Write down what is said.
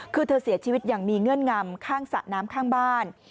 คือเธอเสียชีวิตอย่างมีเงื่อนงำข้างสระน้ำข้างบ้าน